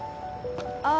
ああ